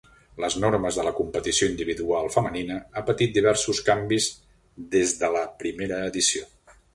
Les normes de la competició individual femenina ha patit diversos canvis des de la primera edició.